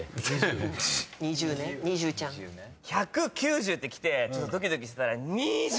１００・９０ってきてちょっとドキドキしてたら２０！